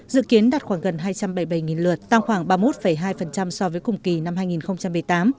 dự kiến đạt khoảng gần hai trăm bảy mươi bảy lượt tăng khoảng ba mươi một hai so với cùng kỳ năm hai nghìn một mươi tám